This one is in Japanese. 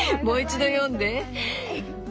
もう一度読んで。